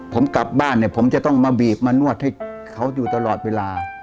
ผมกลับบ้านเนี่ยผมจะต้องมาบีบมานวดให้เขาอยู่ตลอดเวลา